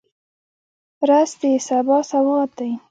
رس د سبا سوغات دی